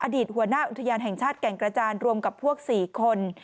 หัวหน้าอุทยานแห่งชาติแก่งกระจานรวมกับพวก๔คน